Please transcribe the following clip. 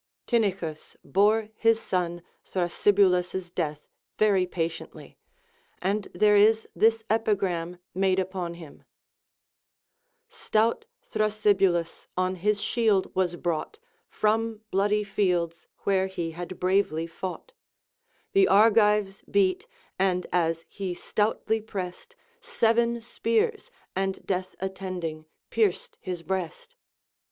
Tynnichus bore his son Thrasybulus's death very patiently, and there is this epigram made upon him :— Stout Tlirasybulus on his shield was brouglit From bloody fields, where lie had bravely fought j The Argives beat, and as he stoutly prest, Seven spears, and Deatli attending, pierced his breast.